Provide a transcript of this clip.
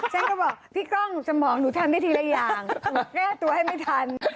ฉันก็บอกพี่กล้องสมองหนูทำได้ทีละอย่างแก้ตัวให้ไม่ทัน